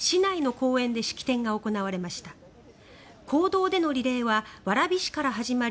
公道でのリレーは蕨市から始まり